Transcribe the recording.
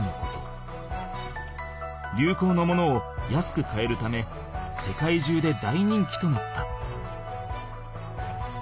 流行のものを安く買えるため世界中で大人気となった。